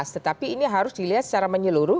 tetapi ini harus dilihat secara menyeluruh